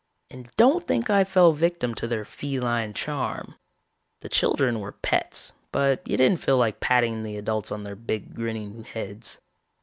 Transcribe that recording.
"And don't think I fell victim to their feline charm. The children were pets, but you didn't feel like patting the adults on their big grinning heads.